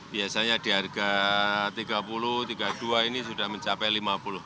biasanya di harga rp tiga puluh rp tiga puluh dua ini sudah mencapai rp lima puluh